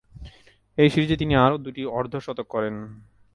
ঐ সিরিজে তিনি আরও দু'টি অর্ধ-শতক করেন।